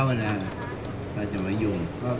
การสำรรค์ของเจ้าชอบใช่